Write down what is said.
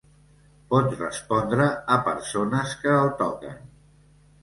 Pot respondre a persones que el toquen.